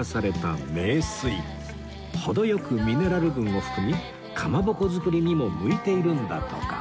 程良くミネラル分を含みかまぼこ作りにも向いているんだとか